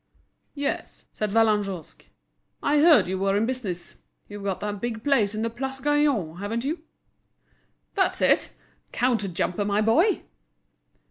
"Yes," said Vallagnosc, "I heard you were in business. You've got that big place in the Place Gailion, haven't you?" "That's it. Counter jumper, my boy!"